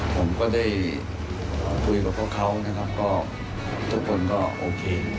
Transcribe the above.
ผมก็ได้คุยกับพวกเขานะครับก็ทุกคนก็โอเค